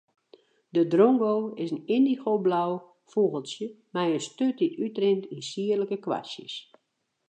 De drongo is in yndigoblau fûgeltsje mei in sturt dy't útrint yn sierlike kwastjes.